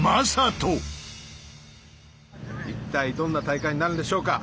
一体どんな大会になるんでしょうか。